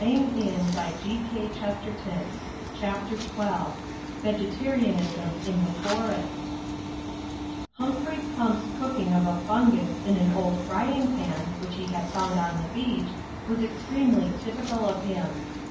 Digitized by CjOOQ IC CHAPTER Xn VEGETARIANISM IN THE FOREST Humphrey Pump's cooking of a fungus in an old frying pan (which he had found on the beach) was ex tremely t3rpical of him.